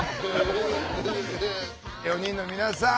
４人の皆さん